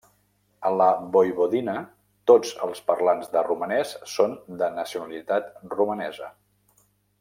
A la Voivodina, tots els parlants de romanès són de nacionalitat romanesa.